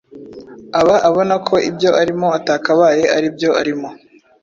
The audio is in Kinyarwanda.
aba abona ko ibyo arimo atakabaye aribyo arimo.